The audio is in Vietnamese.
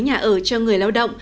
nhà ở cho người lao động